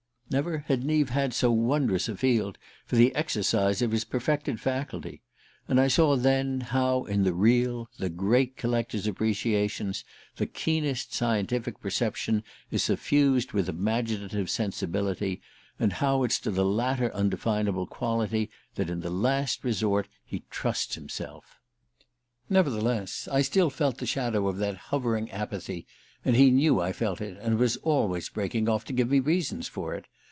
Never had Neave had so wondrous a field for the exercise of his perfected faculty; and I saw then how in the real, the great collector's appreciations the keenest scientific perception is suffused with imaginative sensibility, and how it's to the latter undefinable quality that in the last resort he trusts himself. Nevertheless, I still felt the shadow of that hovering apathy, and he knew I felt it, and was always breaking off to give me reasons for it.